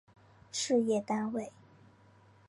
事业单位